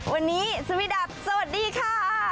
วันนี้สวัสดีค่ะ